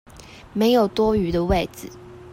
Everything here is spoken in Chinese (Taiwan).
沒有多餘的位子